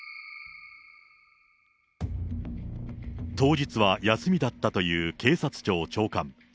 当日は休みだったという警察庁長官。